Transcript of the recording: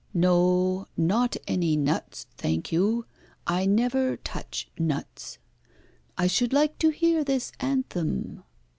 No, not any nuts, thank you; I never touch nuts. I should like to hear this anthem."